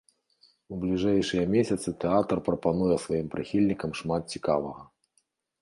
У бліжэйшыя месяцы тэатр прапануе сваім прыхільнікам шмат цікавага.